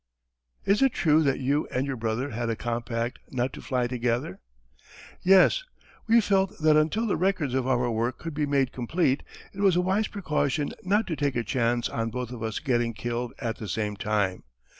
"Is it true that you and your brother had a compact not to fly together?" "Yes, we felt that until the records of our work could be made complete it was a wise precaution not to take a chance on both of us getting killed at the same time.